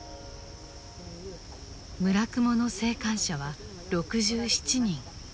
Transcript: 叢雲の生還者は６７人。